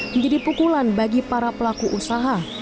menjadi pukulan bagi para pelaku usaha